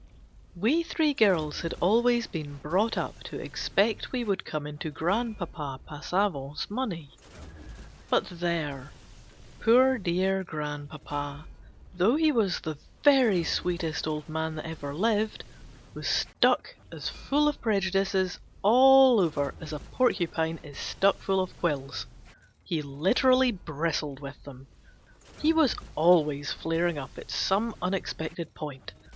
I. WE three girls had always been brought up to expect we would come into Grandpapa Passa vant's money. But there ! poor dear grand papa, though he was the very sweetest old man that ever lived, was stuck as fall of prejudices all over as a porcupine is stuck full of quills. He literally bristled with them. He was always flaring up at some unexpected point.